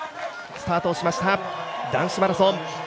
スタートしました男子マラソン